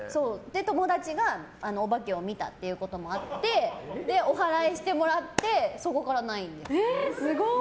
友達がおばけを見たっていうこともあってお祓いしてもらってそこからないんです。